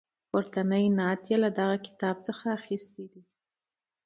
پورتنی نعت له دغه کتاب څخه اخیستی.